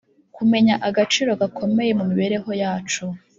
kumenyaagaciro gakomeye mu mibereho yacu